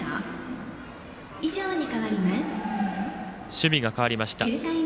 守備が代わりました。